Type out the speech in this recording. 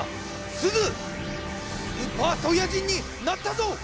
スーパーソイヤ人になったぞ！